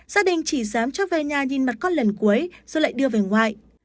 gia đình chỉ dám cho về nhà nhìn mặt con lần cuối rồi lại đưa về ngoại